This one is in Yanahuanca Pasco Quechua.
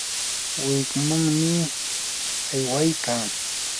wikmanmi aywaykaa.